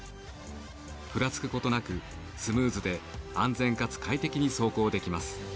ふらつくことなくスムーズで安全かつ快適に走行できます。